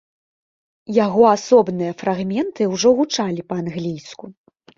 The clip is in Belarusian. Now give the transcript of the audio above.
Яго асобныя фрагменты ўжо гучалі па-англійску.